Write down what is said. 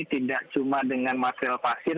tidak cuma dengan material pasir